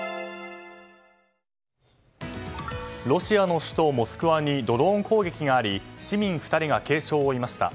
ロシアの首都モスクワにドローン攻撃があり市民２人が軽傷を負いました。